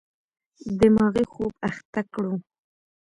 دماغي خوب اخته کړو.